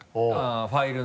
ファイルの。